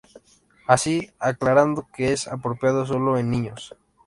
Así:Aclarando que es apropiado solo en niños